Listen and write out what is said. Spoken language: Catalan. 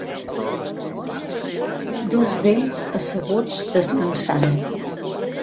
Dos vells asseguts descansant.